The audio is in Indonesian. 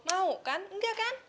mau kan enggak kan